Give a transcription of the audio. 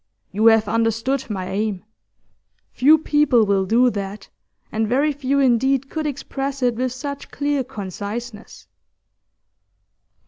You have understood my aim. Few people will do that, and very few indeed could express it with such clear conciseness.